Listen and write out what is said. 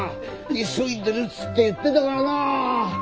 急いでるっつって言ってたからな！